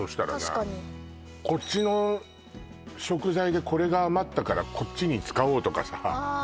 確かにこっちの食材でこれが余ったからこっちに使おうとかさああ